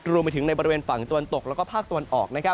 รวมไปถึงในบริเวณฝั่งตะวันตกแล้วก็ภาคตะวันออก